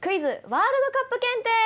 ワールドカップ検定！」。